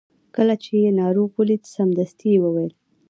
کله چې یې ناروغ ولید سمدستي یې وویل.